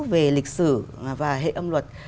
về lịch sử và hệ âm luật